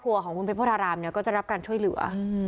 วงเป็นโภธารามก็จะรับการช่วยเหลือ